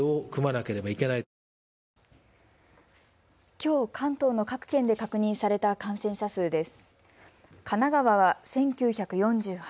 きょう関東の各県で確認された感染者数です。